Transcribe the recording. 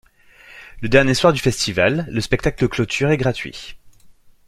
Le dernier soir du festival, le spectacle de clôture est gratuit.